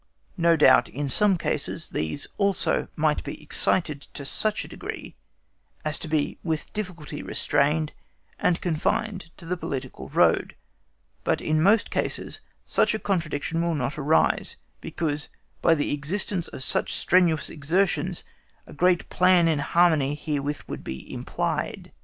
No doubt in some cases these also might be excited to such a degree as to be with difficulty restrained and confined to the political road; but in most cases such a contradiction will not arise, because by the existence of such strenuous exertions a great plan in harmony therewith would be implied.